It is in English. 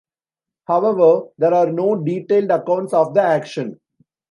However, there are no detailed accounts of the action.